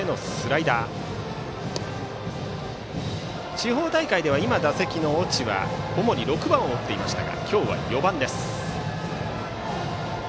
地方大会では、打席の越智は主に６番を打っていましたが今日は４番です。